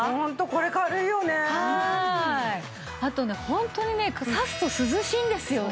あとねホントにね差すと涼しいんですよね。